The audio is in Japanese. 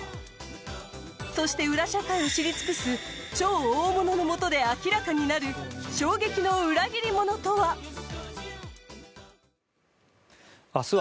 そして裏社会を知り尽くす超大物のもとで明らかになる衝撃の裏切り者とは。